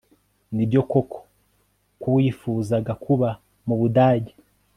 Nibyo koko ko wifuzaga kuba mu Budage